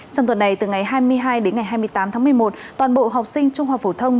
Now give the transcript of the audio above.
trong tuần này từ ngày hai mươi hai đến ngày hai mươi tám tháng một mươi một toàn bộ học sinh trung học phổ thông